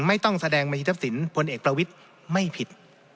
ไม่ต้องแสดงมหิตสินผลเอกประวิทไม่ผิด